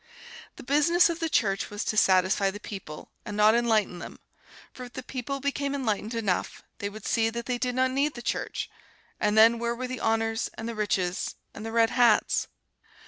The business of the Church was to satisfy the people, and not enlighten them, for if the people became enlightened enough they would see that they did not need the Church, and then where were the honors and the riches and the red hats!